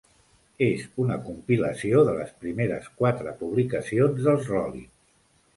És una compilació de les primeres quatre publicacions dels Rollins.